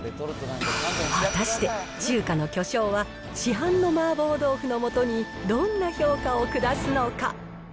果たして中華の巨匠は、市販の麻婆豆腐の素にどんな評価を下すのか。